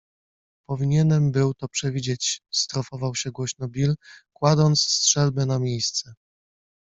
- Powinienem był to przewidzieć - strofował się głośno Bill, kładąc strzelbę na miejsce. -